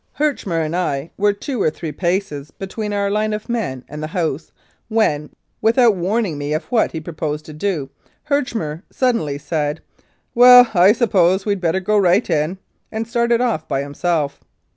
Herchmer and I were two or three paces between our line of men and the house when, without warning me of what he proposed to do, Herchmer sud denly said, "Well, I suppose we'd better go right in," and started off by himself.